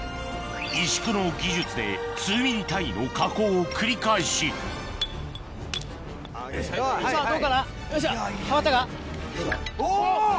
石工の技術で数ミリ単位の加工を繰り返し・お！